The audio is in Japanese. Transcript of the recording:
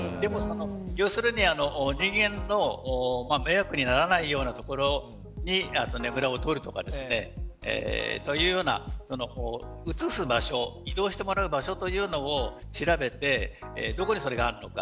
要するに、人間の迷惑にならないような所にねぐらを取るとかというような、移す場所移動してもらう場所というのを調べてどこにそれがあるのか。